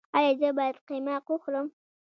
ایا زه باید قیماق وخورم؟